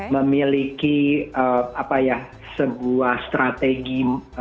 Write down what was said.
memiliki apa ya sebuah strategi